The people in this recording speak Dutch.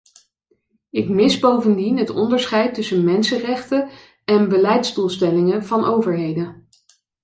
Ik mis bovendien het onderscheid tussen mensenrechten en beleidsdoelstellingen van overheden.